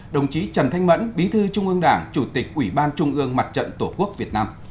đồng chí trần thanh mẫn bí thư trung ương đảng chủ tịch ủy ban trung ương mặt trận tổ quốc việt nam